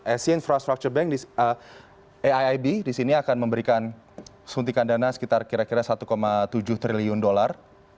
asia infrastructure bank aib disini akan memberikan suntikan dana sekitar kira kira satu tujuh triliun dolar